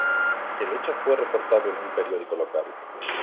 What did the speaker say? El hecho fue reportado en un periódico local.